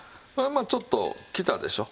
ちょっときたでしょう。